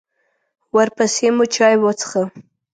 ورپسې مو چای وڅښه.